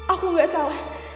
aku gak salah